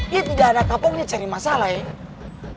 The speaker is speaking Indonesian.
dia tidak ada kapoknya cari masalah ya